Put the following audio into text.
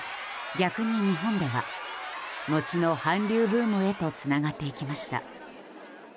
逆に日本では後の韓流ブームへとつながっていきました。